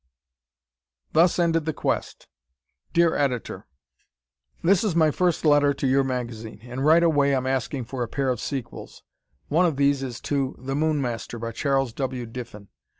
Thus Ended the Quest Dear Editor: This is my first letter to your magazine, and right away I'm asking for a pair of sequels. One of these is to "The Moon Master," by Charles W. Diffin.